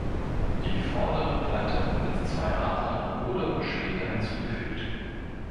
Die vordere Platte mit zwei Adlern wurde wohl später hinzugefügt.